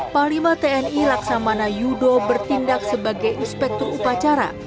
panglima tni laksamana yudo bertindak sebagai inspektur upacara